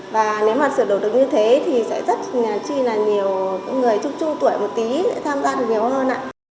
và nếu mà sửa đổi được như thế thì sẽ rất là nhiều người trung trung tuổi một tí tham gia được nhiều hơn